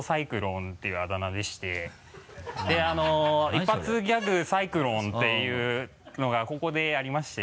一発ギャグサイクロンていうのが高校でありまして。